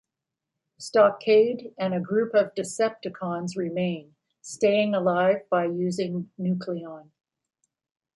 Stockade and a group of Decepticons remain, staying alive by using Nucleon.